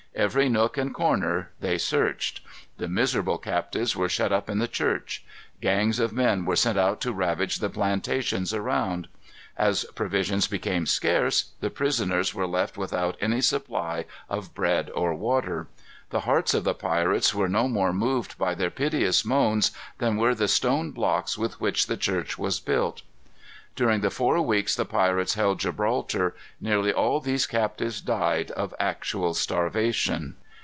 Every nook and corner they searched. The miserable captives were shut up in the church. Gangs of men were sent out to ravage the plantations around. As provisions became scarce, the prisoners were left without any supply of bread or water. The hearts of the pirates were no more moved by their piteous moans than were the stone blocks with which the church was built. During the four weeks the pirates held Gibraltar, nearly all these captives died of actual starvation.